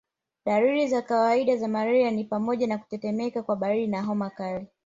Dalili za kawaida za malaria ni pamoja na kutetemeka kwa baridi na homa kali